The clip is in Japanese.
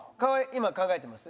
今考えてます？